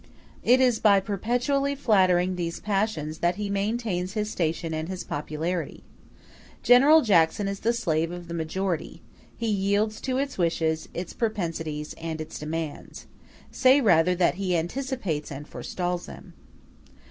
It is by perpetually flattering these passions that he maintains his station and his popularity. General Jackson is the slave of the majority: he yields to its wishes, its propensities, and its demands; say rather, that he anticipates and forestalls them.